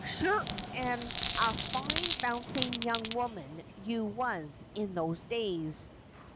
Sure and a fine bouncing young woman you was in those days.